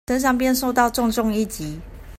身上便受到重重一擊